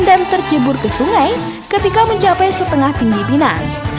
dan terjebur ke sungai ketika mencapai setengah tinggi pinang